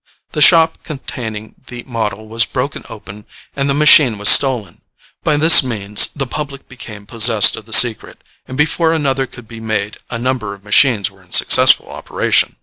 The shop containing the model was broken open and the machine was stolen: by this means the public became possessed of the secret, and before another could be made a number of machines were in successful operation.